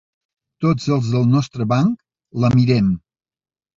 Tots els del nostre banc la mirem.